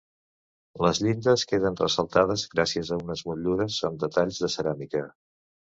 Les llindes queden ressaltades gràcies a unes motllures amb detalls de ceràmica.